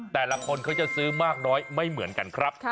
แต่ละคนเขาจะซื้อมากน้อยไม่เหมือนกันครับ